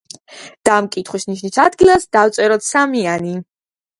და ამ კითხვის ნიშნის ადგილას დავწეროთ სამიანი.